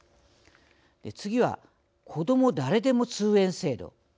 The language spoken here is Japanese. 次はこども誰でも通園制度。